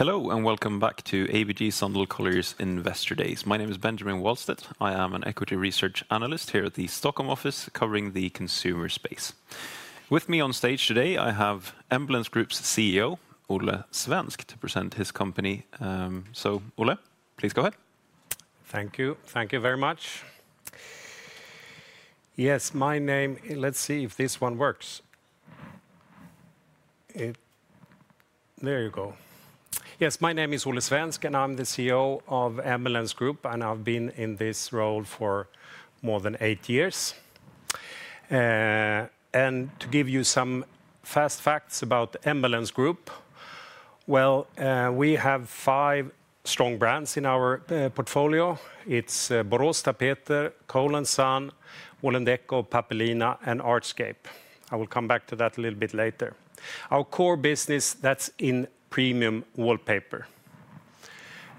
Hello and welcome back to ABG Sundal Collier's Investor Days. My name is Benjamin Wahlstedt. I am an equity research analyst here at the Stockholm office covering the consumer space. With me on stage today, I have Embellence Group's CEO Olle Svensk to present his company. So, Olle, please go ahead. Thank you. Thank you very much. Yes, my name, let's see if this one works. There you go. Yes, my name is Olle Svensk and I'm the CEO of Embellence Group, and I've been in this role for more than eight years. And to give you some fast facts about Embellence Group, well, we have five strong brands in our portfolio. It's Borås Tapeter, Cole & Son, Wall&decò, Pappelina, and Artscape. I will come back to that a little bit later. Our core business, that's in premium wallpaper.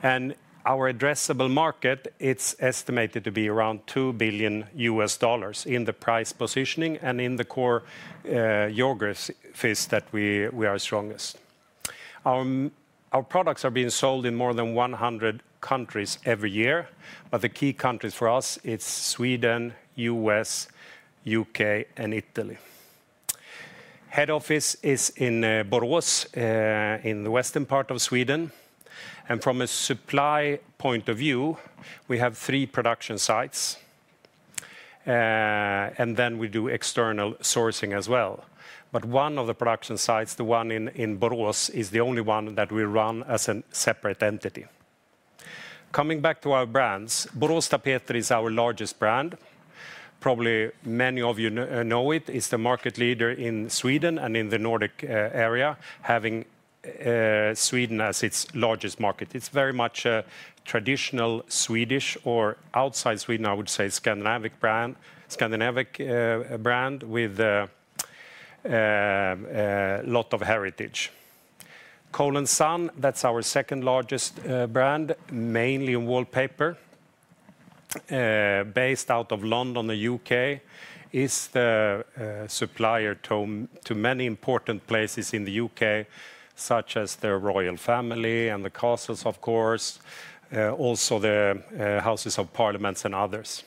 And our addressable market, it's estimated to be around $2 billion in the price positioning and in the core geographies that we are strongest. Our products are being sold in more than 100 countries every year, but the key countries for us, it's Sweden, U.S., U.K., and Italy. Head office is in Borås in the western part of Sweden. From a supply point of view, we have three production sites. We do external sourcing as well. One of the production sites, the one in Borås, is the only one that we run as a separate entity. Coming back to our brands, Borås Tapeter is our largest brand. Probably many of you know it. It's the market leader in Sweden and in the Nordic area, having Sweden as its largest market. It's very much a traditional Swedish or outside Sweden, I would say, Scandinavian brand with a lot of heritage. Cole & Son, that's our second largest brand, mainly in wallpaper, based out of London and the UK. It's the supplier to many important places in the UK, such as the royal family and the castles, of course, also the Houses of Parliament and others.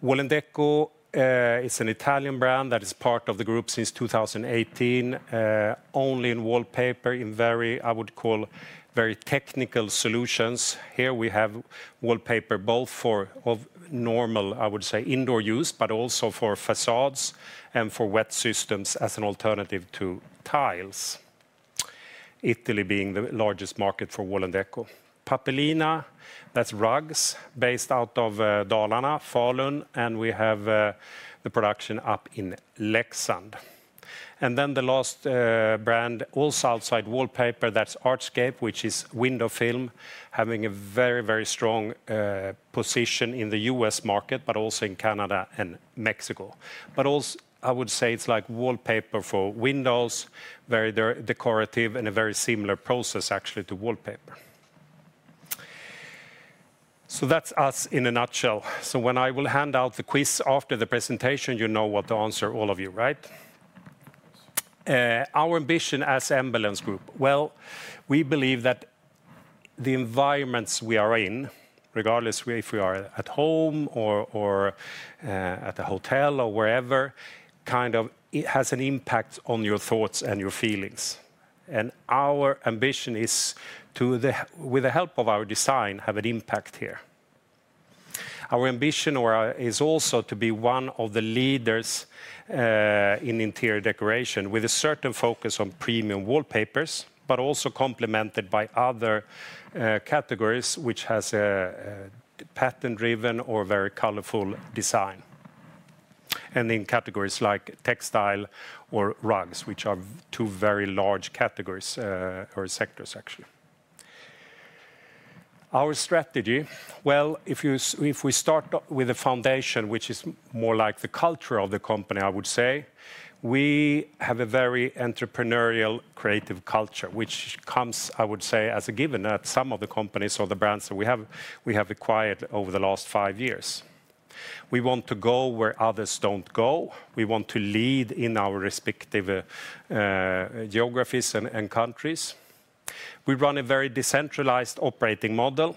Wall&decò is an Italian brand that is part of the group since 2018, only in wallpaper, in very, I would call, very technical solutions. Here we have wallpaper both for normal, I would say, indoor use, but also for facades and for wet systems as an alternative to tiles. Italy being the largest market for Wall&decò. Pappelina, that's rugs based out of Dalarna, Falun, and we have the production up in Leksand. And then the last brand, also outside wallpaper, that's Artscape, which is window film, having a very, very strong position in the U.S. market, but also in Canada and Mexico. But also, I would say it's like wallpaper for windows, very decorative and a very similar process actually to wallpaper. So that's us in a nutshell, so when I will hand out the quiz after the presentation, you know what to answer, all of you, right? Our ambition as Embellence Group, well, we believe that the environments we are in, regardless if we are at home or at a hotel or wherever, kind of has an impact on your thoughts and your feelings. And our ambition is to, with the help of our design, have an impact here. Our ambition is also to be one of the leaders in interior decoration with a certain focus on premium wallpapers, but also complemented by other categories, which has a pattern-driven or very colorful design. And in categories like textile or rugs, which are two very large categories or sectors actually. Our strategy, well, if we start with a foundation, which is more like the culture of the company, I would say, we have a very entrepreneurial, creative culture, which comes, I would say, as a given at some of the companies or the brands that we have acquired over the last five years. We want to go where others don't go. We want to lead in our respective geographies and countries. We run a very decentralized operating model.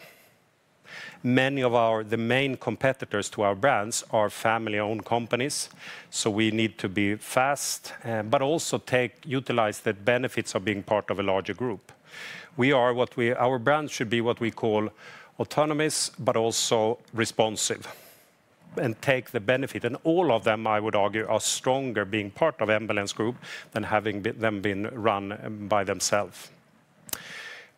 Many of our, the main competitors to our brands are family-owned companies. So we need to be fast, but also utilize the benefits of being part of a larger group. We are what we, our brand should be what we call autonomous, but also responsive and take the benefit. And all of them, I would argue, are stronger being part of Embellence Group than having them been run by themselves.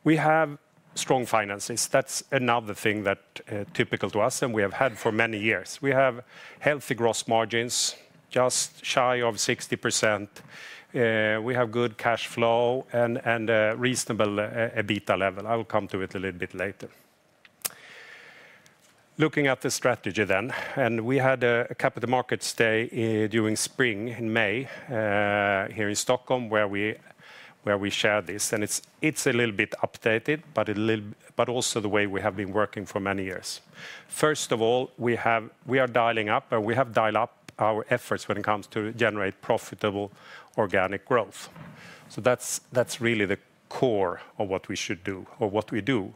We have strong finances. That's another thing that is typical to us and we have had for many years. We have healthy gross margins, just shy of 60%. We have good cash flow and a reasonable EBITDA level. I will come to it a little bit later. Looking at the strategy then, and we had a Capital Markets Day during spring in May here in Stockholm where we shared this, and it's a little bit updated, but also the way we have been working for many years. First of all, we are dialing up and we have dialed up our efforts when it comes to generate profitable organic growth, so that's really the core of what we should do or what we do.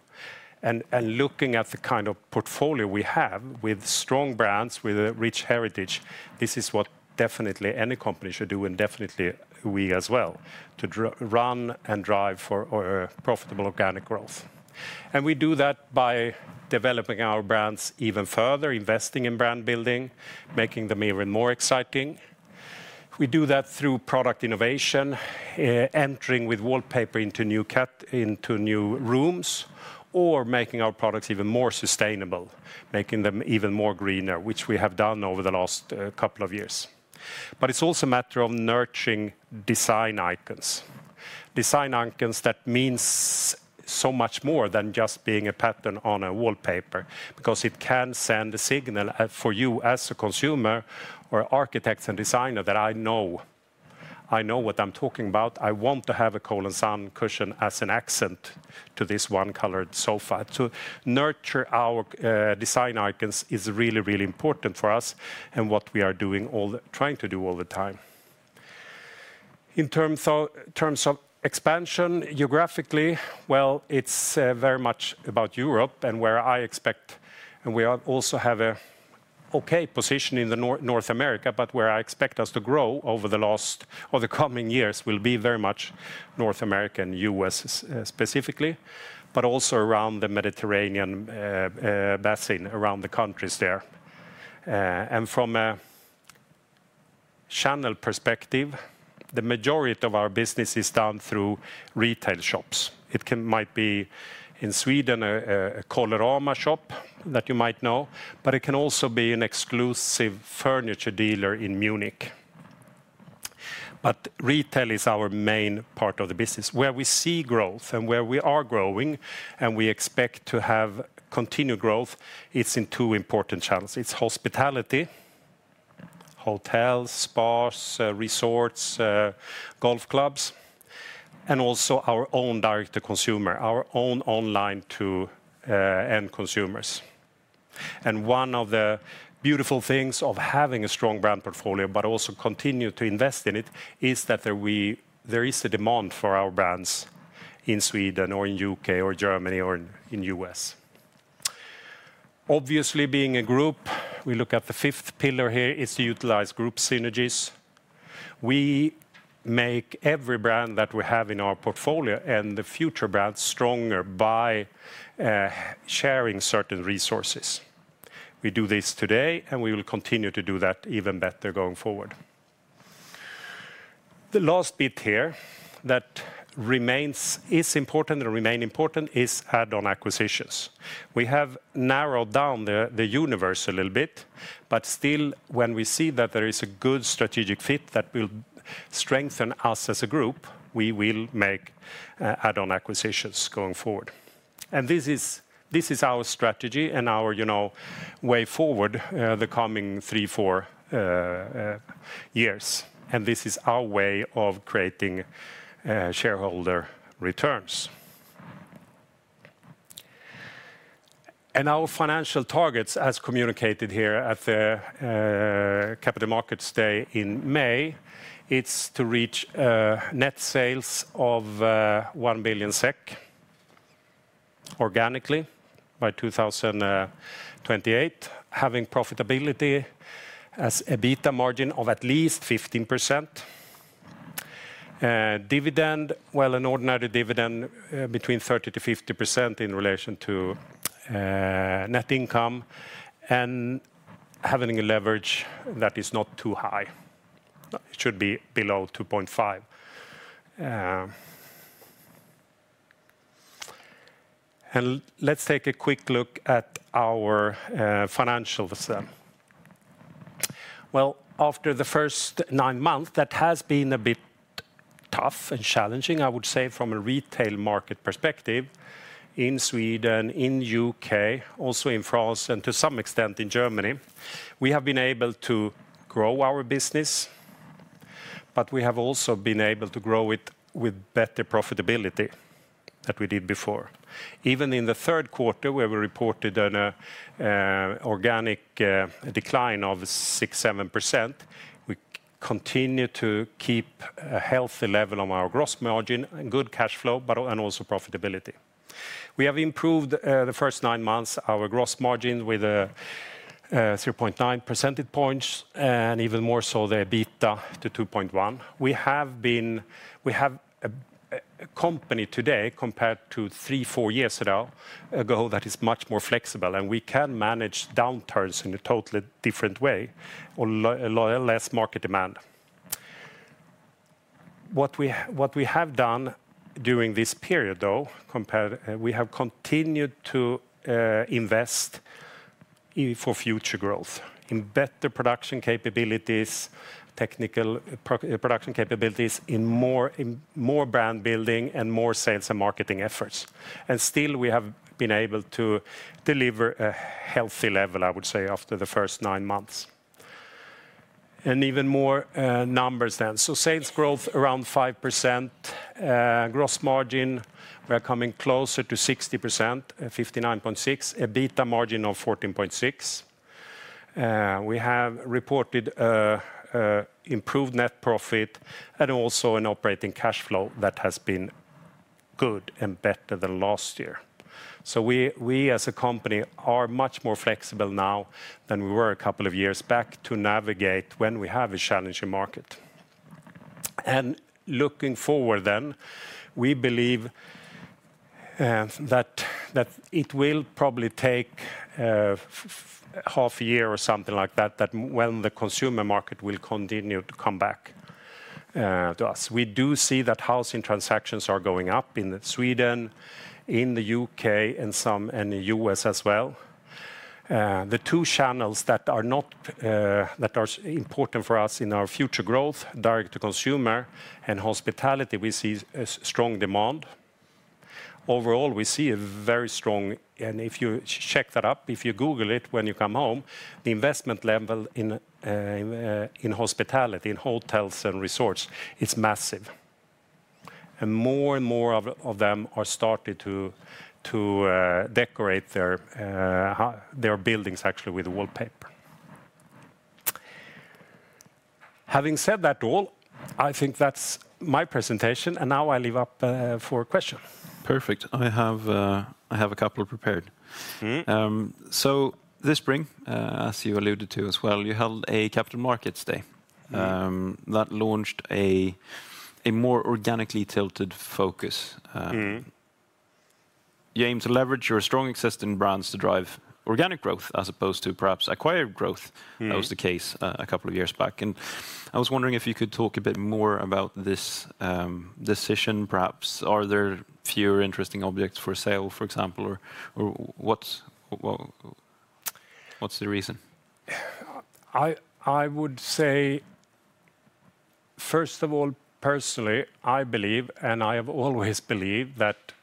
Looking at the kind of portfolio we have with strong brands with a rich heritage, this is what definitely any company should do and definitely we as well to run and drive for profitable organic growth. We do that by developing our brands even further, investing in brand building, making them even more exciting. We do that through product innovation, entering with wallpaper into new rooms or making our products even more sustainable, making them even more greener, which we have done over the last couple of years. It's also a matter of nurturing design icons. Design icons that mean so much more than just being a pattern on a wallpaper because it can send a signal for you as a consumer or architects and designers that I know, I know what I'm talking about. I want to have a Kåhlensson cushion as an accent to this one colored sofa. To nurture our design icons is really, really important for us and what we are doing or trying to do all the time. In terms of expansion geographically, well, it's very much about Europe and where I expect, and we also have an okay position in North America, but where I expect us to grow over the last or the coming years will be very much North America and US specifically, but also around the Mediterranean basin, around the countries there. And from a channel perspective, the majority of our business is done through retail shops. It might be in Sweden, a Colorama shop that you might know, but it can also be an exclusive furniture dealer in Munich. But retail is our main part of the business. Where we see growth and where we are growing and we expect to have continued growth, it's in two important channels. It's hospitality, hotels, spas, resorts, golf clubs, and also our own direct-to-consumer, our own online-to-end consumers, and one of the beautiful things of having a strong brand portfolio, but also continue to invest in it, is that there is a demand for our brands in Sweden or in the U.K. or Germany or in the U.S. Obviously, being a group, we look at the fifth pillar here, it's to utilize group synergies. We make every brand that we have in our portfolio and the future brands stronger by sharing certain resources. We do this today and we will continue to do that even better going forward. The last bit here that remains important is add-on acquisitions. We have narrowed down the universe a little bit, but still when we see that there is a good strategic fit that will strengthen us as a group, we will make add-on acquisitions going forward. And this is our strategy and our way forward the coming three, four years. And this is our way of creating shareholder returns. And our financial targets, as communicated here at the Capital Markets Day in May, it's to reach net sales of 1 billion SEK organically by 2028, having profitability as EBITDA margin of at least 15%. Dividend, well, an ordinary dividend between 30%-50% in relation to net income and having a leverage that is not too high. It should be below 2.5. And let's take a quick look at our financials then. After the first nine months, that has been a bit tough and challenging, I would say, from a retail market perspective in Sweden, in the U.K., also in France and to some extent in Germany. We have been able to grow our business, but we have also been able to grow it with better profitability than we did before. Even in the third quarter, where we reported an organic decline of 6-7%, we continue to keep a healthy level of our gross margin, good cash flow, and also profitability. We have improved the first nine months, our gross margin with a 3.9 percentage points and even more so the EBITDA to 2.1. We have been a company today compared to three, four years ago that is much more flexible and we can manage downturns in a totally different way or less market demand. What we have done during this period, though, we have continued to invest for future growth in better production capabilities, technical production capabilities, in more brand building, and more sales and marketing efforts, and still, we have been able to deliver a healthy level, I would say, after the first nine months, and even more numbers then, so sales growth around 5%, gross margin, we're coming closer to 60%, 59.6%, EBITDA margin of 14.6%. We have reported improved net profit and also an operating cash flow that has been good and better than last year, so we as a company are much more flexible now than we were a couple of years back to navigate when we have a challenging market. And looking forward then, we believe that it will probably take half a year or something like that that when the consumer market will continue to come back to us. We do see that housing transactions are going up in Sweden, in the U.K. and the U.S. as well. The two channels that are important for us in our future growth, direct-to-consumer and hospitality, we see strong demand. Overall, we see a very strong, and if you check that up, if you Google it when you come home, the investment level in hospitality, in hotels and resorts, it's massive. And more and more of them are starting to decorate their buildings actually with wallpaper. Having said that all, I think that's my presentation and now I leave up for a question. Perfect. I have a couple prepared. This spring, as you alluded to as well, you held a Capital Markets Day that launched a more organically tilted focus. You aim to leverage your strong existing brands to drive organic growth as opposed to perhaps acquired growth, that was the case a couple of years back. And I was wondering if you could talk a bit more about this decision, perhaps are there fewer interesting objects for sale, for example, or what's the reason? I would say, first of all, personally, I believe, and I have always believed that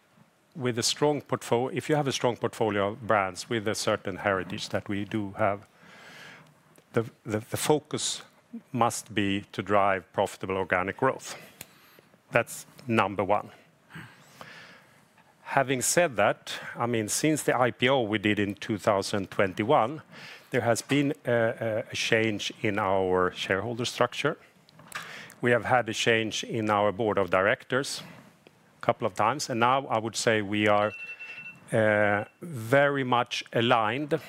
with a strong portfolio, if you have a strong portfolio of brands with a certain heritage that we do have, the focus must be to drive profitable organic growth. That's number one. Having said that, I mean, since the IPO we did in 2021, there has been a change in our shareholder structure. We have had a change in our board of directors a couple of times. And now I would say we are very much aligned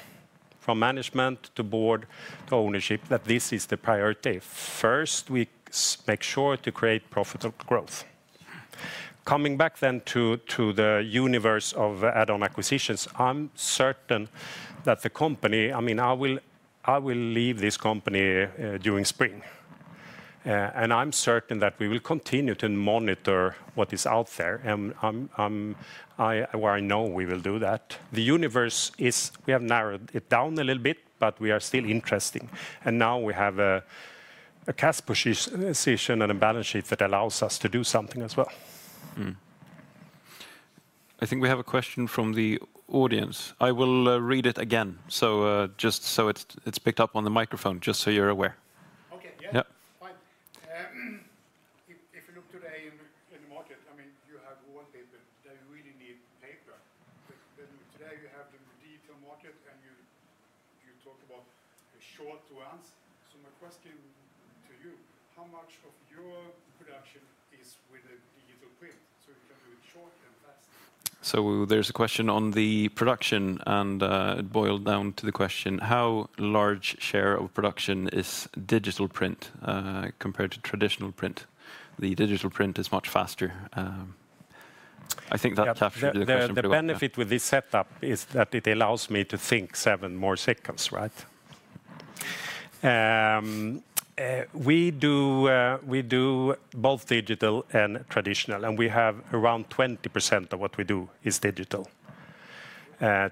from management to board to ownership that this is the priority. First, we make sure to create profitable growth. Coming back then to the universe of add-on acquisitions, I'm certain that the company, I mean, I will leave this company during spring. And I'm certain that we will continue to monitor what is out there. Where I know we will do that. The universe is, we have narrowed it down a little bit, but we are still interesting. Now we have a cash position and a balance sheet that allows us to do something as well. I think we have a question from the audience. I will read it again, so just so it's picked up on the microphone, just so you're aware. Okay, yeah, fine. If you look today in the market, I mean, you have wallpaper. They really need paper. Today you have the digital market and you talk about short ones. So my question to you, how much of your production is with a digital print? So you can do it short and fast. So there's a question on the production and it boiled down to the question, how large share of production is digital print compared to traditional print? The digital print is much faster. I think that's actually the question for the audience. The benefit with this setup is that it allows me to think seven more seconds, right? We do both digital and traditional, and we have around 20% of what we do is digital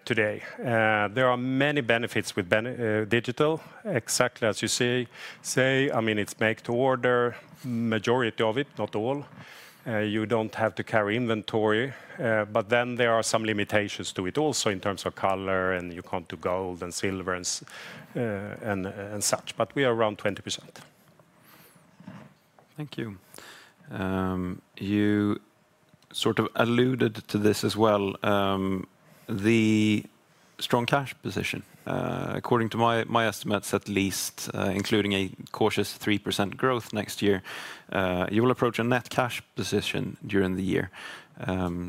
today. There are many benefits with digital, exactly as you say. I mean, it's make to order, majority of it, not all. You don't have to carry inventory, but then there are some limitations to it also in terms of color and you can't do gold and silver and such. But we are around 20%. Thank you. You sort of alluded to this as well, the strong cash position. According to my estimates at least, including a cautious 3% growth next year, you will approach a net cash position during the year.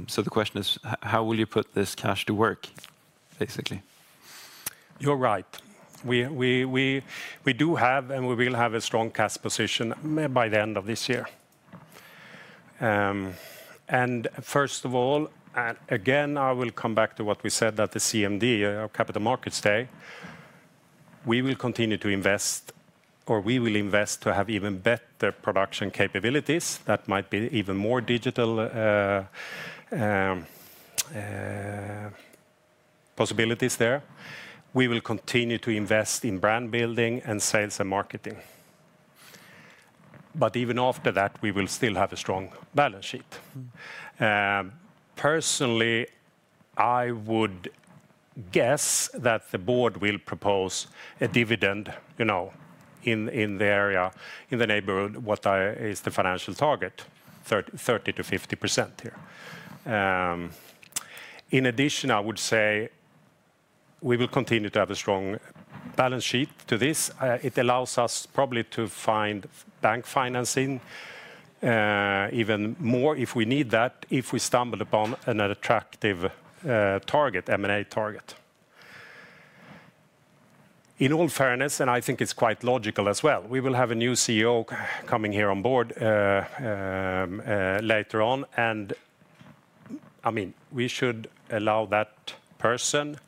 So the question is, how will you put this cash to work, basically? You're right. We do have and we will have a strong cash position by the end of this year. And first of all, again, I will come back to what we said at the CMD, our capital markets day. We will continue to invest or we will invest to have even better production capabilities that might be even more digital possibilities there. We will continue to invest in brand building and sales and marketing. But even after that, we will still have a strong balance sheet. Personally, I would guess that the board will propose a dividend in the area, in the neighborhood, what is the financial target, 30%-50% here. In addition, I would say we will continue to have a strong balance sheet to this. It allows us probably to find bank financing even more if we need that if we stumble upon an attractive target, M&A target. In all fairness, and I think it's quite logical as well, we will have a new CEO coming here on board later on, and I mean, we should allow that person,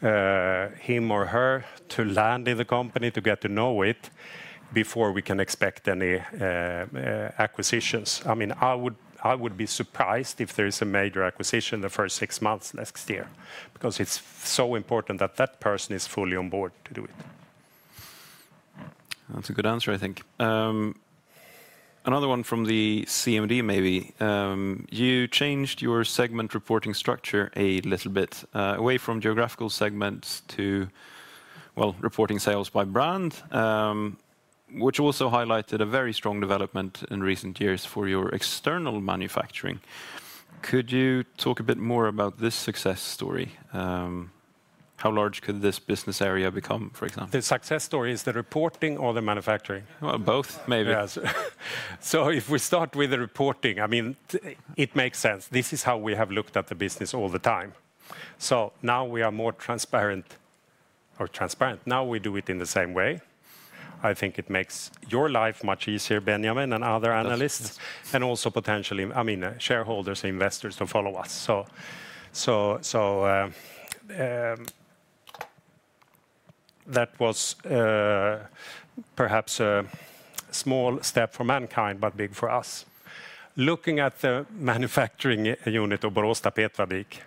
him or her, to land in the company, to get to know it before we can expect any acquisitions. I mean, I would be surprised if there is a major acquisition the first six months next year because it's so important that that person is fully on board to do it. That's a good answer, I think. Another one from the CMD maybe. You changed your segment reporting structure a little bit away from geographical segments to, well, reporting sales by brand, which also highlighted a very strong development in recent years for your external manufacturing. Could you talk a bit more about this success story? How large could this business area become, for example? The success story is the reporting or the manufacturing? Both maybe. So if we start with the reporting, I mean, it makes sense. This is how we have looked at the business all the time. So now we are more transparent. Now we do it in the same way. I think it makes your life much easier, Benjamin, and other analysts, and also potentially, I mean, shareholders and investors to follow us. So that was perhaps a small step for mankind, but big for us. Looking at the manufacturing unit of Borås Tapetfabrik,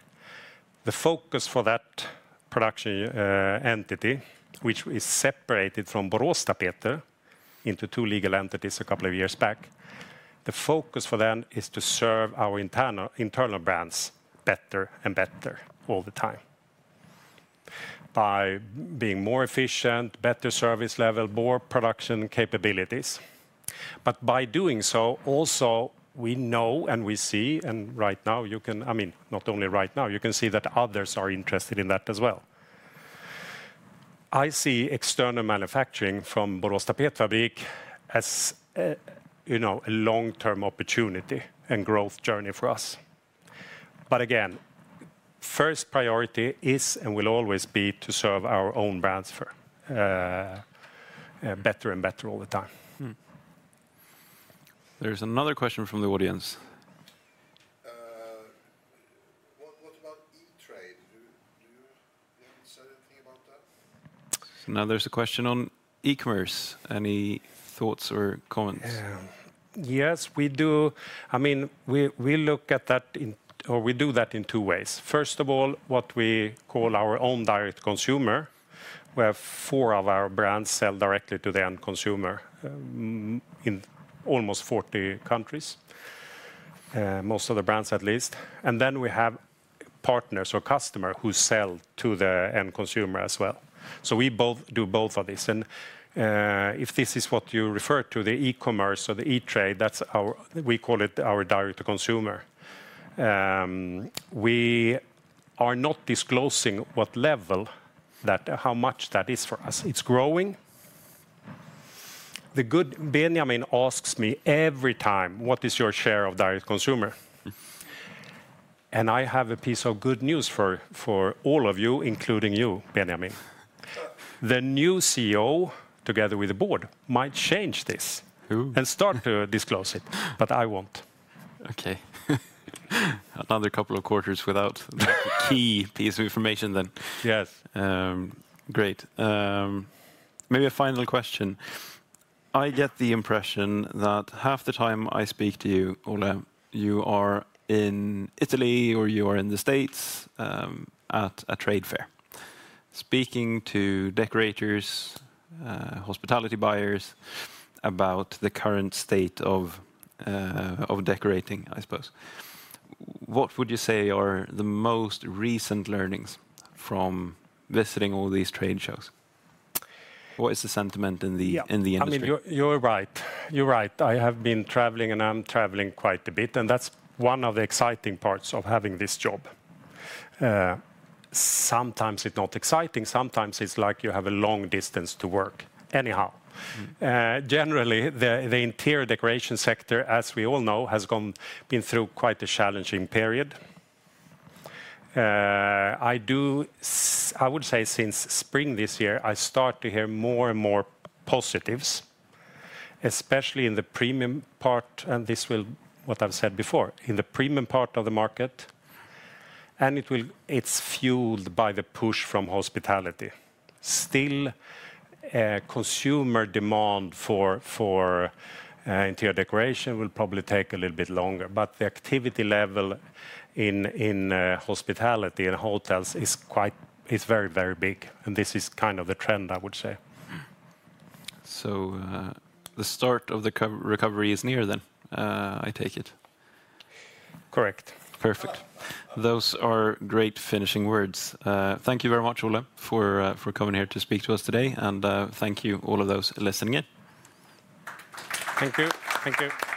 the focus for that production entity, which is separated from Borås Tapeter into two legal entities a couple of years back, the focus for them is to serve our internal brands better and better all the time by being more efficient, better service level, more production capabilities. But by doing so, also we know and we see, and right now you can, I mean, not only right now, you can see that others are interested in that as well. I see external manufacturing from Borås Tapetfabrik as a long-term opportunity and growth journey for us. But again, first priority is and will always be to serve our own brands better and better all the time. There's another question from the audience. What about e-trade? Do you have to say anything about that? Now there's a question on e-commerce. Any thoughts or comments? Yes, we do. I mean, we look at that or we do that in two ways. First of all, what we call our own direct-to-consumer. We have four of our brands sell directly to the end consumer in almost 40 countries, most of the brands at least. And then we have partners or customers who sell to the end consumer as well. So we do both of these. And if this is what you refer to, the e-commerce or the e-trade, we call it our direct-to-consumer. We are not disclosing what level, how much that is for us. It's growing. The good Benjamin asks me every time, what is your share of direct-to-consumer? And I have a piece of good news for all of you, including you, Benjamin. The new CEO, together with the board, might change this and start to disclose it, but I won't. Okay. Another couple of quarters without the key piece of information then. Yes. Great. Maybe a final question. I get the impression that half the time I speak to you, Olle, you are in Italy or you are in the States at a trade fair, speaking to decorators, hospitality buyers about the current state of decorating, I suppose. What would you say are the most recent learnings from visiting all these trade shows? What is the sentiment in the industry? I mean, you're right. You're right. I have been traveling and I'm traveling quite a bit, and that's one of the exciting parts of having this job. Sometimes it's not exciting. Sometimes it's like you have a long distance to work anyhow. Generally, the interior decoration sector, as we all know, has been through quite a challenging period. I would say since spring this year, I start to hear more and more positives, especially in the premium part, and this will, what I've said before, in the premium part of the market, and it's fueled by the push from hospitality. Still, consumer demand for interior decoration will probably take a little bit longer, but the activity level in hospitality and hotels is very, very big, and this is kind of the trend, I would say. So the start of the recovery is near then, I take it? Correct. Perfect. Those are great finishing words. Thank you very much, Olle, for coming here to speak to us today, and thank you to all of those listening in. Thank you. Thank you.